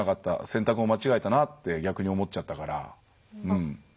選択を間違えたなって逆に思っちゃったから。